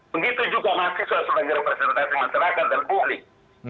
begitu juga mahasiswa sebagai representasi masyarakat dan publik